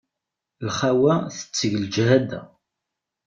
Lxawa tettegg leǧhada.